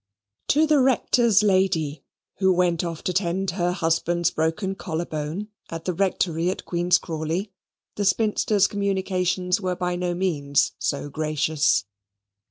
To the rector's lady, who went off to tend her husband's broken collar bone at the Rectory at Queen's Crawley, the spinster's communications were by no means so gracious.